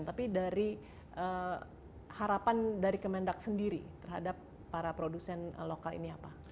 tapi dari harapan dari kemendak sendiri terhadap para produsen lokal ini apa